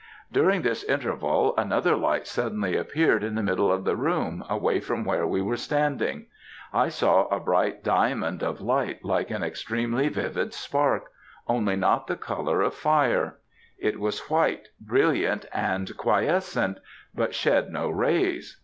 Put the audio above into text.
"During this interval, another light suddenly appeared in the middle of the room, away from where we were standing, I saw a bright diamond of light, like an extremely vivid spark only not the colour of fire; it was white, brilliant, and quiescent, but shed no rays.